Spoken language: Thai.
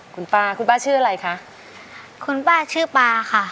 คุณป้าคุณป้าชื่ออะไรคะคุณป้าชื่อปลาค่ะ